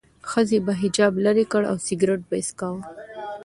ښځې به حجاب لرې کړ او سیګرټ به څکاوه.